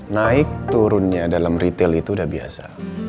naik turunnya dalam retail itu udah biasa